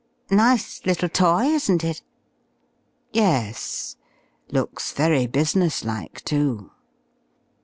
Nice little toy, isn't it?" "Yes. Looks very business like, too."